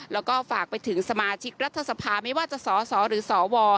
แล้วก็ฝากไปถึงสมาชิกรัฐสภาไม่ว่าจะสสหรือสว